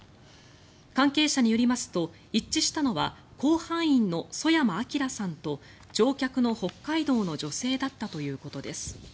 関係者によりますと一致したのは甲板員の曽山聖さんと乗客の北海道の女性だったということです。